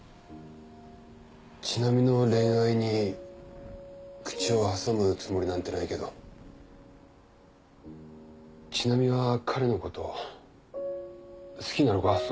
千波の恋愛に口を挟むつもりなんてないけど千波は彼のこと好きなのか？